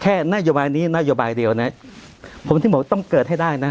นโยบายนี้นโยบายเดียวนะผมถึงบอกต้องเกิดให้ได้นะ